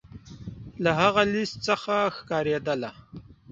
له هغه لیست څخه ښکارېدله.